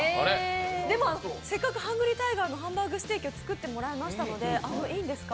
でも、せっかくハングリータイガーにハンバーグステーキを作っていただきましたのでいいんですか？